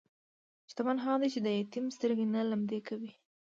شتمن هغه دی چې د یتیم سترګې نه لمدې کوي.